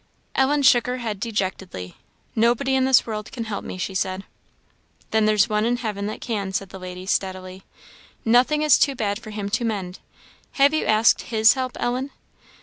Ellen shook her head dejectedly. "Nobody in this world can help me," she said. "Then there's One in heaven that can," said the lady, steadily. "Nothing is too bad for him to mend. Have you asked His help, Ellen?"